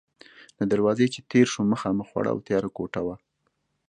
له دروازې چې تېر شوم، مخامخ وړه او تیاره کوټه وه.